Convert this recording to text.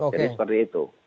jadi seperti itu